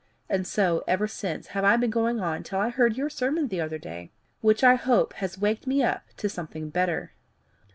And so, ever since, have I been going on till I heard your sermon the other day, which I hope has waked me up to something better.